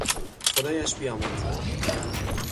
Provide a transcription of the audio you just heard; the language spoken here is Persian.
خدایش بیامرزد!